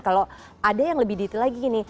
kalau ada yang lebih detail lagi nih